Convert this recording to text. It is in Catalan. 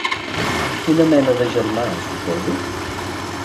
Una mena de germà, suposo?